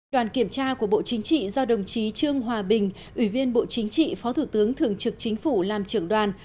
đoàn kiểm tra của bộ chính trị do đồng chí trương hòa bình ủy viên bộ chính trị phó thủ tướng thường trực chính phủ làm trưởng đoàn